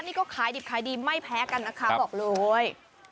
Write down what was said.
นี่ก็ขายดิบขายดีไม่แพ้กันนะคะบอกเลย